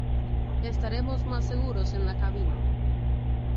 Estaremos más seguros en la cabina.